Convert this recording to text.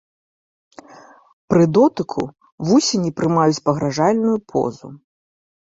Пры дотыку вусені прымаюць пагражальную позу.